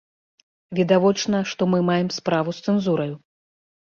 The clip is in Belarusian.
Відавочна, што мы маем справу з цэнзураю.